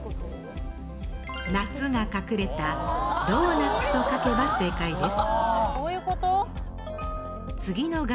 「ナツ」が隠れたドーナツと書けば正解です。